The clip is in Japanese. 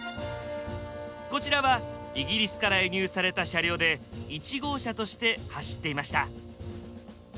こちらはイギリスから輸入された車両で１号車として走っていました。